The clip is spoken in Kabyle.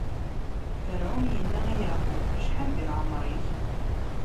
Ferɛun inna i Yeɛqub: Acḥal di lɛemṛ-ik?